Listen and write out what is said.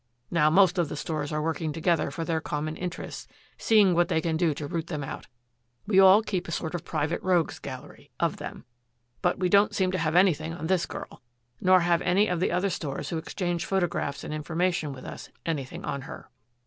Now most of the stores are working together for their common interests, seeing what they can do to root them out. We all keep a sort of private rogue's gallery of them. But we don't seem to have anything on this girl, nor have any of the other stores who exchange photographs and information with us anything on her."